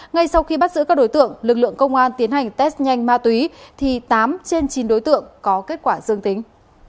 ngay sau khi bắt giữ các đối tượng lực lượng công an tiến hành test nhanh ma túy thì tám trên chín đối tượng có kết quả dương tính